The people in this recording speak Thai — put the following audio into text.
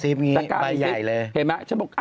เราไม่ลืมมาเสื้อ